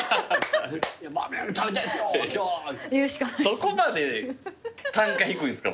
そこまで単価低いんですか